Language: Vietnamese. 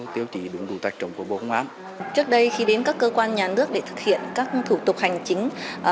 trước đây khi đến các cơ quan nhà nước để thực hiện các thủ tục hành chính